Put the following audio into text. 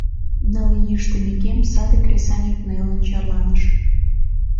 Ныл ий ыштымекем, саде кресаньык нелын черланыш.